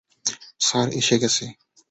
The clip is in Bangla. স্যার এসে গেছে।